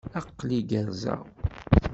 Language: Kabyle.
Aql-i gerrzeɣ.